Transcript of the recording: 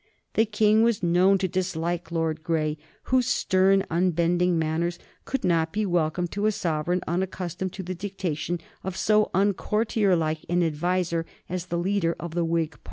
The King was known to dislike Lord Grey, whose stern, unbending manners could not be welcome to a sovereign unaccustomed to the dictation of so uncourtierlike an adviser as the leader of the Whig party.